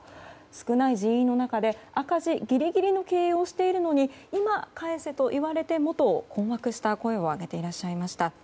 少ない人員の中で赤字ギリギリの経営をしているのに今、返せと言われてもと困惑した声を上げていらっしゃいました。